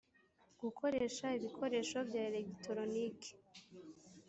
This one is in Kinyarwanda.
gukoresha ibikoresho bya elegitoroniki